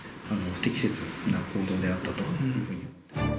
不適切な行動であったというふうに。